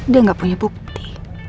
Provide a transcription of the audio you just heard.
dia gak punya bukti